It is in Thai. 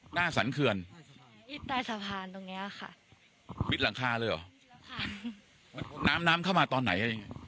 หน้าสันเคือนอีกใต้สะพานตรงเนี้ยค่ะมิดหลังคาเลยเหรอน้ำน้ำเข้ามาตอนไหน